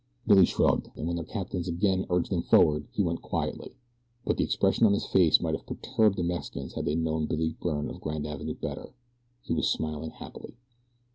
Billy shrugged, and when their captors again urged them forward he went quietly; but the expression on his face might have perturbed the Mexicans had they known Billy Byrne of Grand Avenue better he was smiling happily.